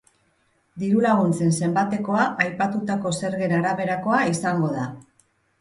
Diru-laguntzen zenbatekoa aipatutako zergen araberakoa izango da.